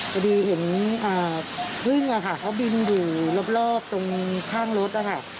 พอดีเห็นพึ่งเขาบินอยู่รอบตรงข้างรถนะคะ